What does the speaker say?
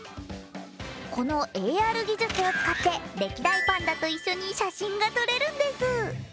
このＡＲ技術を使って歴代パンダと一緒に写真が撮れるんです。